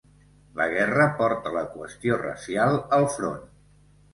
La guerra portà la qüestió racial al front.